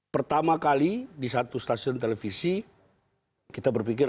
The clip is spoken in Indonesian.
pertama kali di satu stasiun televisi kita berpikir